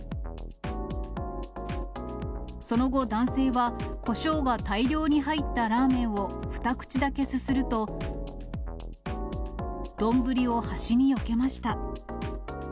その後、男性はこしょうが大量に入ったラーメンを２口だけすすると、丼を端によけました。